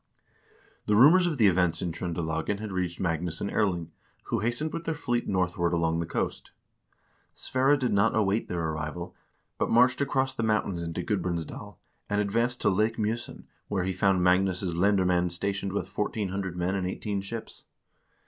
The rumors of the events in Tr0ndelagen had reached Magnus and Erling, who hastened with their fleet northward along the coast. Sverre did not await their arrival, but marched across the mountains into Gudbrandsdal, and advanced to Lake Mj0sen, where he found Magnus' lendermoend stationed with 1400 men and eighteen ships.